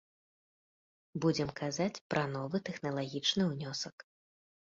Будзем казаць пра новы тэхналагічны ўнёсак.